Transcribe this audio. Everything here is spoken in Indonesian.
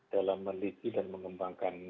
dalam melipi dan mengembangkan